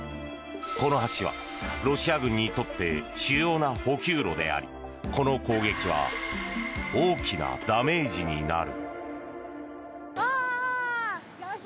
この橋はロシア軍にとって主要な補給路でありこの攻撃は大きなダメージになる。